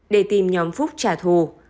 để tìm nhóm phúc trả thù